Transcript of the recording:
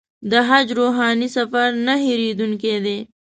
د حج روحاني سفر نه هېرېدونکی دی.